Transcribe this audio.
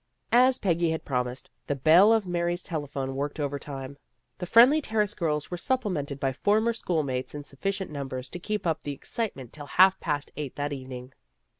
As Peggy had promised, the bell of Mary's telephone worked over time. The Friendly Terrace girls were supplemented by former school mates in sufficient numbers to keep up the excitement till half past eight that evening.